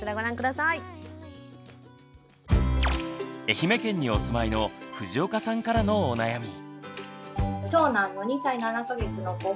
愛媛県にお住まいの藤岡さんからのお悩み。